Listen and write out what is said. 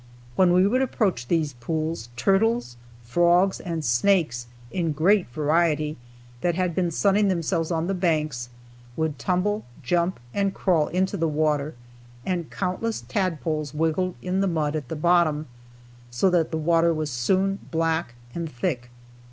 When we would approach these pools, turtles, frogs and snakes in great variety, that had been sunning themselves on the banks, would tumble, jump and crawl into the water, and countless tadpoles wiggled in the mud, at the bottom, so that the water was soon black and thick.